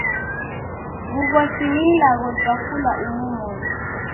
W'ughosi ni ilagho ja kula umu moni.